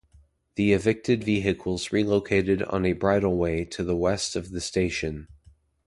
The evicted vehicles relocated on a bridleway to the west of the station.